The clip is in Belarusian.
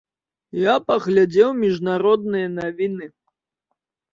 Я паглядзеў міжнародныя навіны.